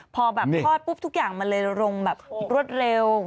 พอแบบทอดปุ๊บทุกอย่างมันเลยลงแบบรวดเร็ว